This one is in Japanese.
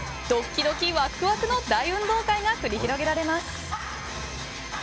ドキドキワクワクの大運動会が繰り広げられます。